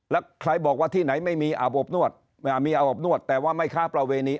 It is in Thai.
แล้วใครบอกว่าที่ไหนไม่มีอาบอบนวดมีอาบอบนวดแต่ว่าไม่ค้าประเวณี